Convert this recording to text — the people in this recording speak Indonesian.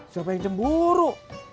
siapa yang cemburu